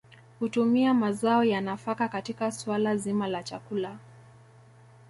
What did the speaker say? Hutumia mazao ya nafaka katika suala zima la chakula